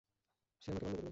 সে আমাকে মান্য করবে।